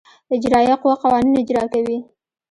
اجرائیه قوه قوانین اجرا کوي.